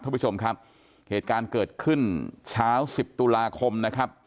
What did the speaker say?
ท่านผู้ชมครับเหตุการณ์เกิดขึ้นเช้าสิบตุลาคมนะครับ